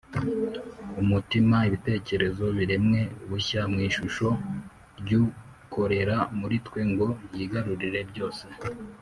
. Umutima, ibitekerezo, biremwe bushya mw’ishusho ry’Ukorera muri twe ngo yigarurire byose